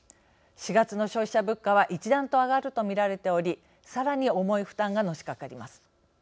４月の消費者物価は一段と上がると見られておりさらに重い負担がのしかかります。